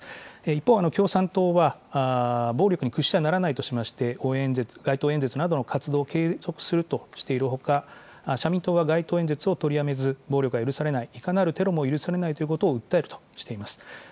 一方、共産党は、暴力に屈してはならないとしまして、応援演説、街頭演説などの活動を継続するとしているほか、社民党は街頭演説を取りやめず、暴力は許されない、いかなるテロも許されないということを訴えるとしています。